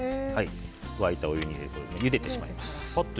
沸いたお湯に入れてゆでてしまいます。